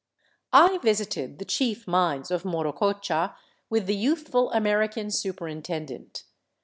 I visited the chief mines of Morococha with the youthful American superintendent.